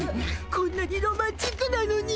こんなにロマンチックなのに。